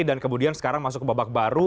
dan kemudian sekarang masuk ke babak baru